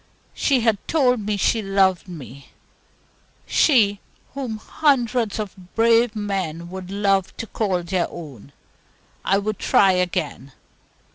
She had told me she loved me she, whom hundreds of brave men would love to call their own. I would try again.